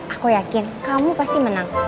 aku yakin kamu pasti menang